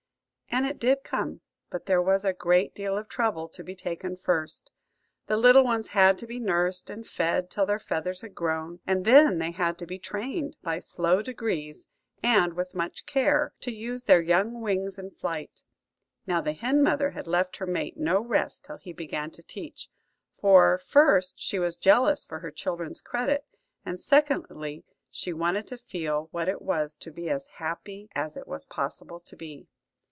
And it did come; but there was a great deal of trouble to be taken first. The little ones had to be nursed and fed till their feathers had grown, and then they had to be trained, by slow degrees and with much care, to use their young wings in flight. Now the hen mother had left her mate no rest till he began to teach; for, first, she was jealous for her children's credit; and secondly, she wanted to feel what it was to be as happy as it was possible to be.